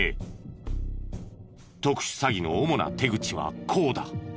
特殊詐欺の主な手口はこうだ。